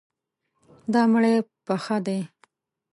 دا مړی پخه دی.